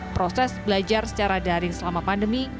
proses belajar secara daring selama pandemi